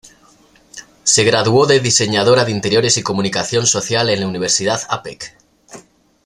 Se graduó de diseñadora de interiores y comunicación social en la Universidad Apec.